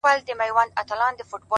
پوه انسان له هر حالت زده کوي.!